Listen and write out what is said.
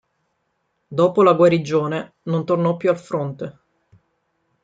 Dopo la guarigione non tornò più al fronte.